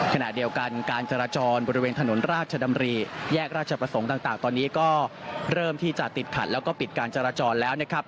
ขณะเดียวกันการจราจรบริเวณถนนราชดำรีแยกราชประสงค์ต่างตอนนี้ก็เริ่มที่จะติดขัดแล้วก็ปิดการจราจรแล้วนะครับ